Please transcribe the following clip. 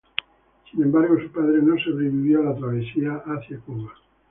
Sin embargo, su padre no sobrevivió a la travesía hacia Cuba.